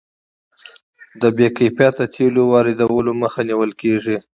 د بې کیفیته تیلو واردولو مخه نیول کیږي.